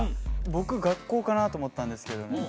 僕学校かなと思ったんですけどね